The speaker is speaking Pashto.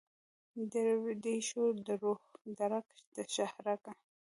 درېښو دروح درګه ، دشاهرګه